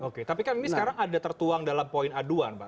oke tapi kan ini sekarang ada tertuang dalam poin aduan pak